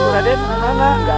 raden enggak enggak enggak